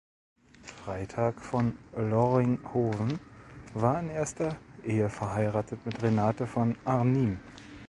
Freytag von Loringhoven war in erster Ehe verheiratet mit Renate von Arnim.